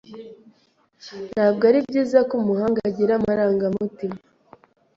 Ntabwo ari byiza ko umuhanga agira amarangamutima.